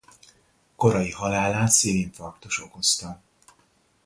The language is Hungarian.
Korai halálát szívinfarktus okozta.